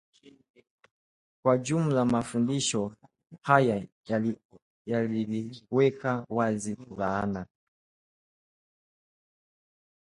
Kwa jumla mafundisho haya yaliweka wazi laana